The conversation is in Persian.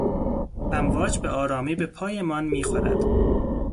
امواج به آرامی به پایمان میخورد.